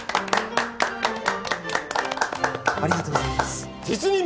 ありがとうございます。